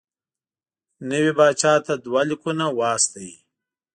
نوي پاچا ته دوه لیکونه واستوي.